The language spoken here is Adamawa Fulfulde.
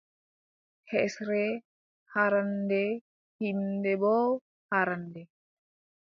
Hesre haarannde, hiinde boo haarannde.